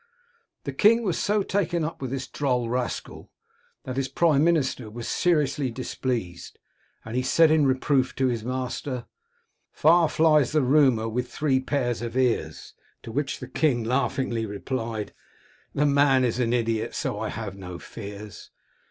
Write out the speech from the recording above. The king was so taken up with this droll rascal, that his prime minister was seriously displeased, and he said, in reproof, to his master —* Far flies rumour with three pairs of ears.' To which the king laughingly replied —* The man is an idiot, so have no fears.'